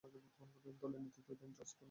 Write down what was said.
দলের নেতৃত্ব দেন "জর্জ পার" নাম্নী এক ইংরেজ।